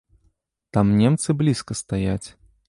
Там немцы блізка стаяць.